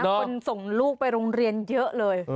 คนส่งลูกไปโรงเรียนเยอะเลย